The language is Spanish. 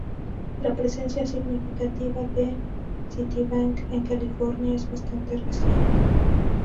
La presencia significativa de Citibank en California es bastante reciente.